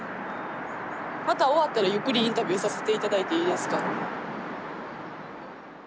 また終わったらゆっくりインタビューさせて頂いていいですか？